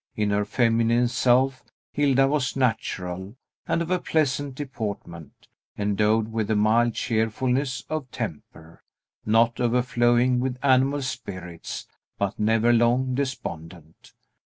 In her feminine self, Hilda was natural, and of pleasant deportment, endowed with a mild cheerfulness of temper, not overflowing with animal spirits, but never long despondent.